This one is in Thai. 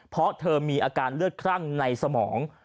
เพราะเธอมีอาการเลือดครั่งในสมอง